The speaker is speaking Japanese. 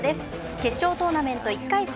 決勝トーナメント１回戦